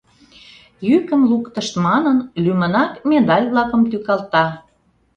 Йӱкым луктышт манын, лӱмынак медаль-влакым тӱкалта.